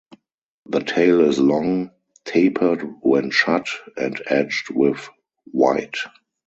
The tail is long, tapered when shut, and edged with white.